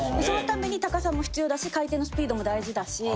そのために、高さも必要だし回転のスピードも大事だし。